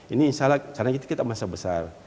ini insya allah karena kita masa besar